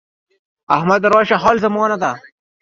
احمد راشه حال زمانه ده.